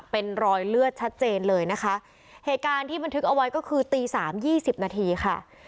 เป็นรอยเลือดชัดเจนเลยนะคะเหตุการณ์ที่บันทึกเอาไว้ก็คือตีสามยี่สิบนาทีค่ะ